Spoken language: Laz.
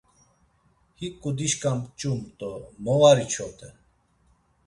Hiǩu dişǩa ç̌umt do mo var içoden?